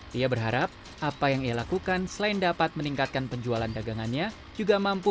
dia berharap apa yang ia lakukan selain dapat meningkatkan penjualan dagangannya juga mampu